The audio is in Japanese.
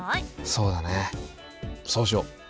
そうだねそうしよう！